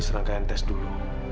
serangkaian tes dulu